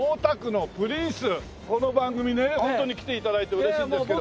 この番組ね本当に来て頂いて嬉しいんですけど。